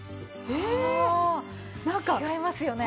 ああ違いますよね。